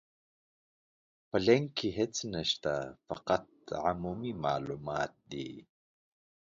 په لينک کې هيڅ نشته، فقط عمومي مالومات دي.